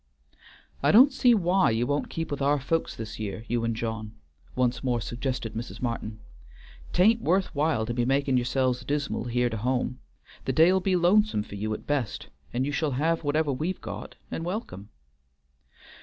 "I don't see why you won't keep with our folks this year; you and John," once more suggested Mrs. Martin. "'T ain't wuth while to be making yourselves dismal here to home; the day'll be lonesome for you at best, and you shall have whatever we've got and welcome."